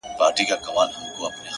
ورسره څه وکړم بې وسه سترگي مړې واچوي!!